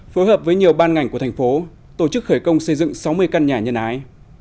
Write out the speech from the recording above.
phối hợp với nhiều ban ngành của thành phố tổ chức khởi công xây dựng sáu mươi căn nhà nhân ái